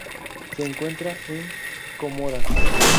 Se encuentra en Comoras.